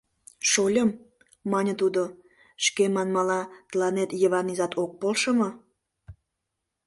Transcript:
— Шольым, — мане тудо, — шке манмыла, тыланет Йыван изат ок полшо мо?